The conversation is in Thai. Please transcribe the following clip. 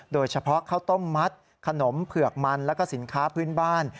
โดยเฉพาะข้าวต้มมัดขนมเผือกมันแล้วก็สินค้าพื้นบ้าน